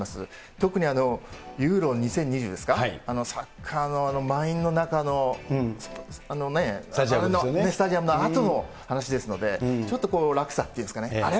特にユーロ２０２０ですか、サッカーの満員の中のスタジアムの中の話ですので、ちょっと落差っていうんですかね、あれ？